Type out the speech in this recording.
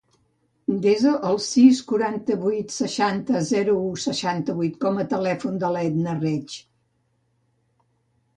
Desa el sis, quaranta-vuit, seixanta, zero, u, seixanta-vuit com a telèfon de l'Etna Reig.